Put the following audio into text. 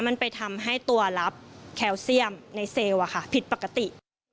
มันไปทำให้ตัวลับแคลเซียมในเซลล์ผิดปกติ